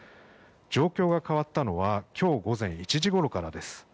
状況が変わったのは今日午前１時ごろからです。